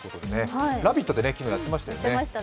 「ラヴィット！」で昨日やってましたね。